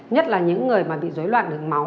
nhất là những người mà bị dối loạn đường máu